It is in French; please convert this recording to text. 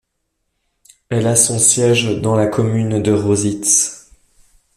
Elle a son siège dans la commune de Rositz.